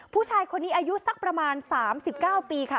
ผู้ชายคนนี้อายุสักประมาณ๓๙ปีค่ะ